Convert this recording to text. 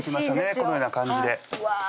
このような感じでうわ